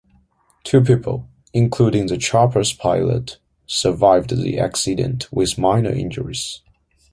Two people, including the chopper's pilot, survived the accident with minor injuries.